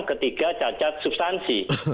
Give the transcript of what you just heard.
ketiga cacat substansi